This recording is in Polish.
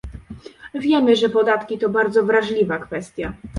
Wiemy, że podatki to bardzo wrażliwa kwestia